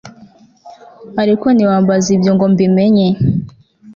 ariko ntiwambaza ibyo ngo mbimenye